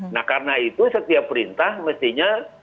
nah karena itu setiap perintah mestinya